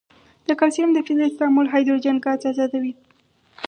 د کلسیم د فلز تعامل هایدروجن ګاز آزادوي.